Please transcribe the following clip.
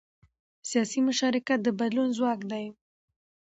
سیاسي مشارکت د بدلون ځواک دی